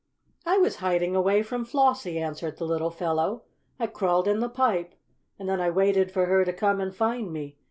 "I was hiding away from Flossie," answered the little fellow. "I crawled in the pipe, and then I waited for her to come and find me.